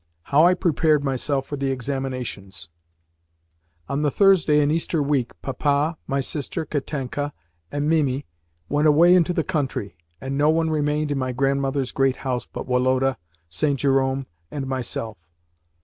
HOW I PREPARED MYSELF FOR THE EXAMINATIONS On the Thursday in Easter week Papa, my sister, Katenka, and Mimi went away into the country, and no one remained in my grandmother's great house but Woloda, St. Jerome, and myself.